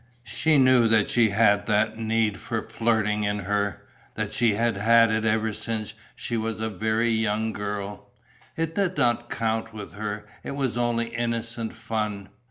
She knew that she had that need for flirting in her, that she had had it ever since she was a very young girl; it did not count with her, it was only innocent fun.